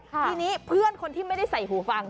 ทีนี้เพื่อนคนที่ไม่ได้ใส่หูฟัง